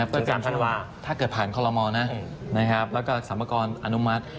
ถึง๓ธันวาคมนะครับถ้าเกิดผ่านคอลโลมอลนะครับแล้วก็สรรพากรอนุมัติ